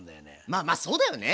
まあまあそうだよね。